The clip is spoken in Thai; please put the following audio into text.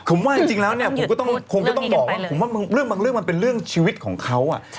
ผมว่าจริงแล้วเนี่ยผมก็ต้องบอกว่าบางเรื่องมันเป็นเรื่องชีวิตของเขาอะ